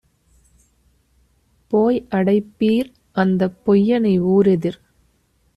போய்அடைப் பீர்! அந்தப் பொய்யனை ஊரெதிர்